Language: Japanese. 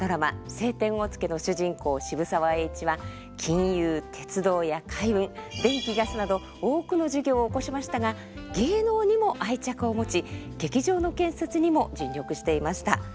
「青天を衝け」の主人公渋沢栄一は金融鉄道や海運電気ガスなど多くの事業をおこしましたが芸能にも愛着を持ち劇場の建設にも尽力していました。